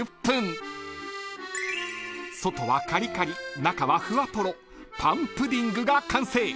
［外はカリカリ中はフワトロパンプディングが完成］